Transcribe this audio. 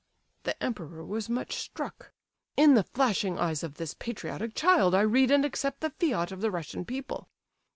"The Emperor was much struck." "'In the flashing eyes of this patriotic child I read and accept the fiat of the Russian people.